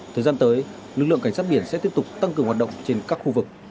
thời gian tới lực lượng cảnh sát biển sẽ tiếp tục tăng cường hoạt động trên các khu vực